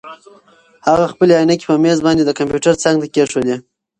هغه خپلې عینکې په مېز باندې د کمپیوټر څنګ ته کېښودې.